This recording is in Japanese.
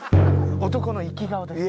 男のイキ顔です。